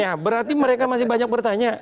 ya berarti mereka masih banyak bertanya